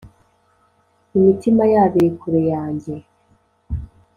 Imitima yabo iri kure yanjye